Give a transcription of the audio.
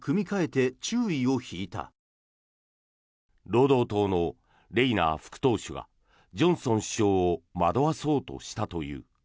労働党のレイナー副党首がジョンソン首相を惑わそうとしたという。